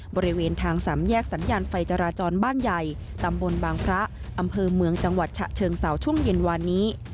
บริเวณทางสามแยกสัญญาณไฟจราจรบ้านใหญ่ตำบลบางพระอำเภอเมืองจังหวัดฉะเชิงเสาช่วงเย็นวานนี้